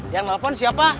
yang telepon siapa